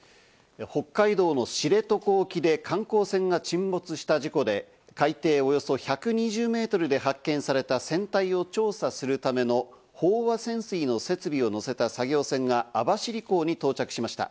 北海道の知床沖で観光船が沈没した事故で、海底およそ１２０メートルで発見された船体を調査するための飽和潜水の設備を乗せた作業船が網走港に到着しました。